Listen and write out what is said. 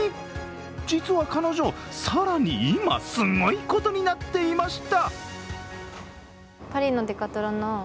実は彼女、更に今すごいことになっていました。